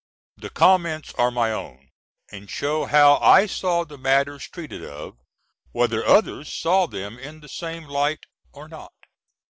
The comments are my own, and show how I saw the matters treated of whether others saw them in the same light or not.